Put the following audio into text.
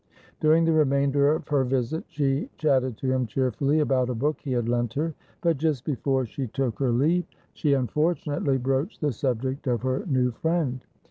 During the remainder of her visit she chatted to him cheerfully about a book he had lent her; but just before she took her leave she unfortunately broached the subject of her new friend.